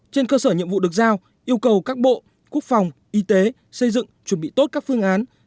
trên cơ sở nhiệm vụ được giao yêu cầu các bộ quốc phòng y tế xây dựng chuẩn bị tốt các phương án